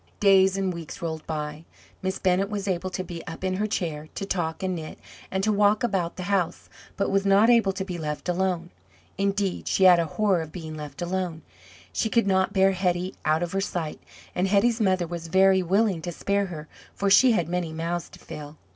Days and weeks rolled by. Miss Bennett was able to be up in her chair, to talk and knit, and to walk about the house, but was not able to be left alone. Indeed, she had a horror of being left alone; she could not bear Hetty out of her sight, and Hetty's mother was very willing to spare her, for she had many mouths to fill.